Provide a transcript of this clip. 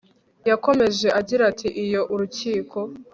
yakomeje agira ati iyo urukiko